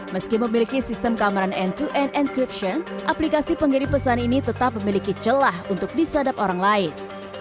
meski memiliki sistem kamaran n dua n encryption aplikasi penggiri pesan ini tetap memiliki celah untuk disadap orang lain